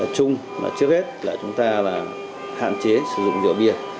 trung trước hết là chúng ta hạn chế sử dụng rượu bia